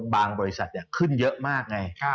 บริษัทขึ้นเยอะมากไง